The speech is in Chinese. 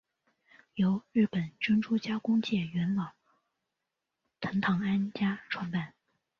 由日本珍珠加工界元老藤堂安家创办。